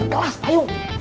silahkan pak bo